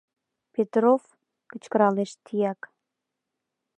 — Петров! — кычкыралеш тияк.